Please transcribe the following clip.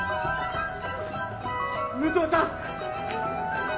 武藤さん！